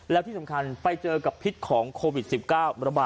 แล้วที่สำคัญไปเจอกับพิษของโควิด๑๙ระบาด